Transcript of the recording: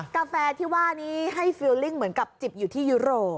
กาแฟที่ว่านี้ให้ฟิลลิ่งเหมือนกับจิบอยู่ที่ยุโรป